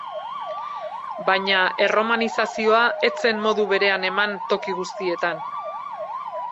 Baina erromanizazioa ez zen modu berean eman toki guztietan.